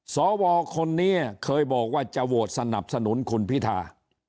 สวคนนี้เคยบอกว่าจะโหวตสนับสนุนคุณพิธา